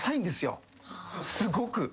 すごく。